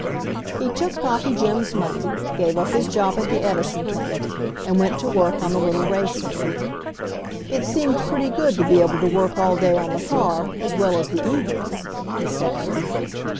He took Coffee Jim's money, gave up his job at the Edison plant, and went to work on the little racer. "It seemed pretty good to be able to work all day on the car, as well as the evenings," he says.